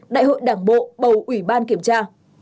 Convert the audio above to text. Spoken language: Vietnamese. đại hội đảng bộ bầu ủy ban kiểm tra